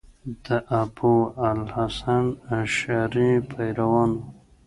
د ابو الحسن اشعري پیروان وو.